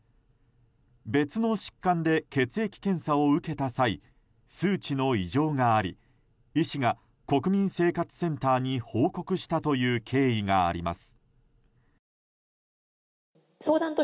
別の疾患で血液検査を受けた際数値の異常があり医師が国民生活センターに報告したという経緯があります。